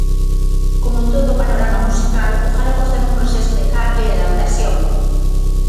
Como todo o panorama musical, o galego está nun proceso de cambio e adaptación.